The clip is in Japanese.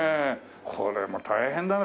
これも大変だな